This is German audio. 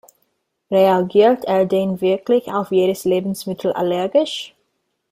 Reagiert er denn wirklich auf jedes Lebensmittel allergisch?